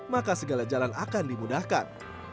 maka segala jalan akan dimudahkan